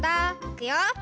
いくよ。